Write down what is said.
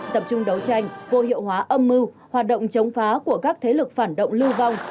tập trung đấu tranh vô hiệu hóa âm mưu hoạt động chống phá của các thế lực phản động lưu vong